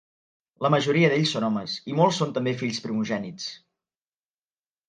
La majoria d'ells són homes, i molts són també fills primogènits.